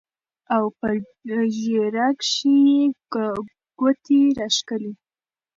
او پۀ ږيره کښې يې ګوتې راښکلې